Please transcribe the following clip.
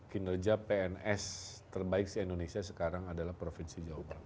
kinerja pns terbaik di indonesia sekarang adalah provinsi jawa barat